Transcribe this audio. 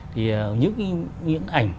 thì những ảnh